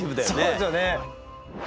そうですよね。